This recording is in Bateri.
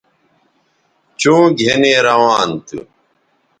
چوں گِھنی روان تھو